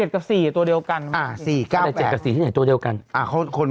กับ๔ตัวเดียวกัน๔๙แต่๗กับ๔ที่ไหนตัวเดียวกัน